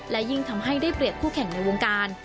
และยิ่งทำให้ได้เปรียบคู่แข่งในวงการ